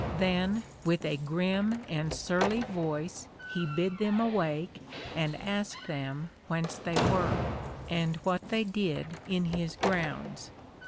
Then with a grim and surly voice he bid them awake, and asked them whence they were? and what they did in his grounds?